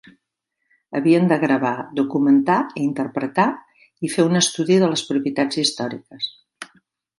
Havien de gravar, documentar, interpretar i fer un estudi de les propietats històriques.